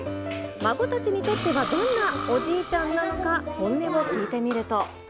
孫たちにとってはどんなおじいちゃんなのか、本音を聞いてみると。